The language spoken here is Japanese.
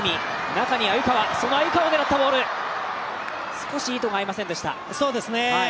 少し意図が合いませんでした。